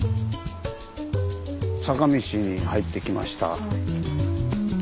坂道に入ってきました。